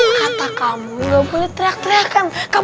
kata kamu nggak boleh teriak teriak